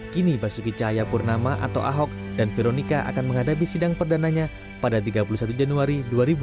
kini basuki cahaya purnama atau ahok dan veronica akan menghadapi sidang perdanaannya pada tiga puluh satu januari dua ribu delapan belas